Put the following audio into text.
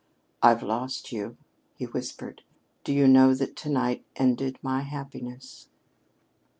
"I've lost you!" he whispered. "Do you know that to night ended my happiness?"